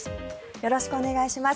よろしくお願いします。